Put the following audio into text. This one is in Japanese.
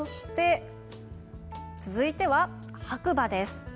続いては白馬です。